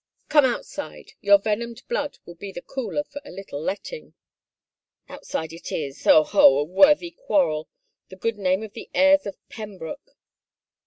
" Come outside — your venomed blood will be the cooler for a little letting." " Outside it is — ho, ho, a worthy quarrel — the goodr name of the heirs of Pembroke